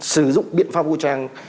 sử dụng biện pháp vũ trang